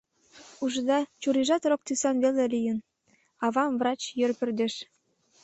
Ужыда, чурийжат рок тӱсан веле лийын, — авам врач йыр пӧрдеш.